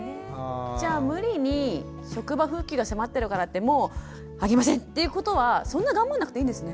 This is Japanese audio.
じゃあ無理に職場復帰が迫ってるからってもうあげませんっていうことはそんな頑張んなくていいんですね。